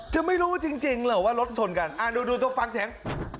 จะไม่รู้จริงหรือว่ารถชนกันดูตรงฟังแชง